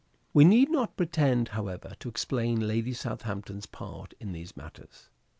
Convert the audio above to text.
We need not pretend, however, to explain Lady Southampton's part in these matters.